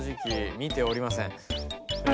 見ておりません。